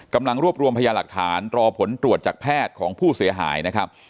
กำลังรวบรวมพยาหลักฐานรอผลตรวจจากแพทย์ของผู้เสียหายนะครับ